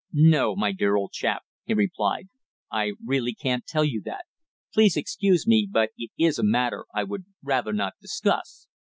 "No, my dear old chap," he replied, "I really can't tell you that. Please excuse me, but it is a matter I would rather not discuss."